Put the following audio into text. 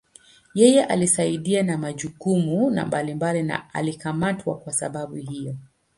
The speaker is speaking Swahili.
Yeye alisaidia na majukumu mbalimbali na alikamatwa kuwa sababu hiyo.